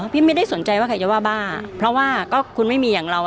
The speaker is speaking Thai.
ไม่ได้สนใจว่าใครจะว่าบ้าเพราะว่าก็คุณไม่มีอย่างเรา